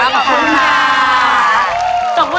ขอบคุณค่ะ